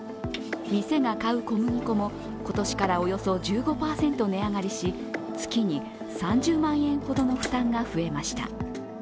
店が買う小麦粉も今年からおよそ１５％値上がりし月に３０万円ほどの負担が増えました。